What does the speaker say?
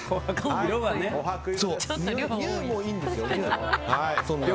においもいいんですよね。